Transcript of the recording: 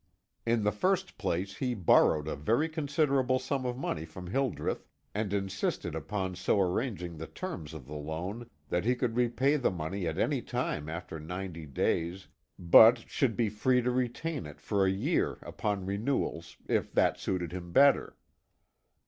In the first place, he borrowed a very considerable sum of money from Hildreth, and insisted upon so arranging the terms of the loan, that he could repay the money at any time after ninety days, but should be free to retain it for a year upon renewals, if that suited him better.